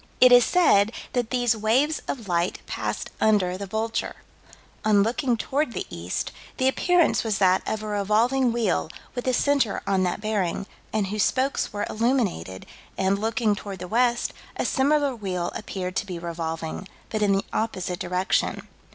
It is said that these waves of light passed under the Vulture. "On looking toward the east, the appearance was that of a revolving wheel with a center on that bearing, and whose spokes were illuminated, and, looking toward the west, a similar wheel appeared to be revolving, but in the opposite direction."